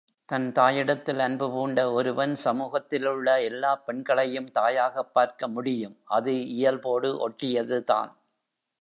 தன் தாயிடத்தில் அன்பு பூண்ட ஒருவன் சமூகத்திலுள்ள எல்லாப் பெண்களையும் தாயாகப் பார்க்க முடியும் அது இயல்போடு ஒட்டியதுதான்.